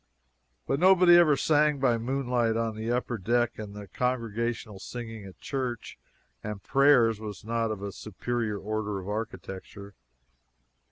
But nobody ever sang by moonlight on the upper deck, and the congregational singing at church and prayers was not of a superior order of architecture.